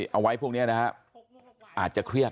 เอาไว้พวกนี้นะฮะอาจจะเครียด